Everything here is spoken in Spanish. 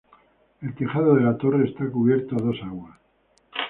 El tejado de la torre está cubierto a dos aguas.